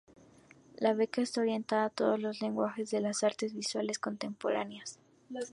La beca está orientada a todos los lenguajes de las artes visuales contemporáneas.